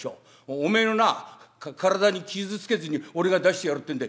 おめえのな体に傷つけずに俺が出してやるってんだ。